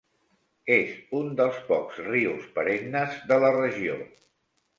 És un dels pocs rius perennes de la regió.